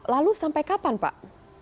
lalu sampai kapan pak